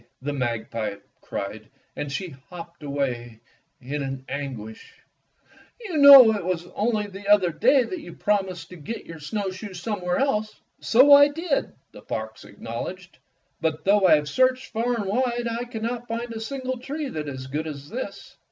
the magpie cried, and she hopped about in an 129 Fairy Tale Foxes guish. ''You know it was only the other day that you promised to get your snowshoes somewhere else." "So I did," the fox acknowledged, "but though I have searched far and wide I can not find a single tree that is as good as this.